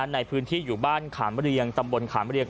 ในพื้นที่อยู่บ้านขามเรียงตำบลขามเรียง